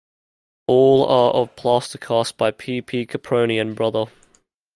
All are of plaster cast by P. P. Caproni and Brother.